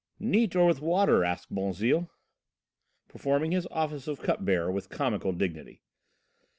"Neat or with water?" asked Bonzille, performing his office of cup bearer with comical dignity.